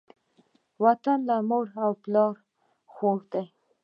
وطن له مور او پلاره خووږ دی.